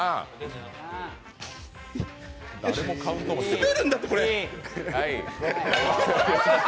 滑るんだよ、これ。